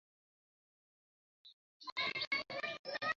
হয়তো আজ রাতেই ধরা পড়বে।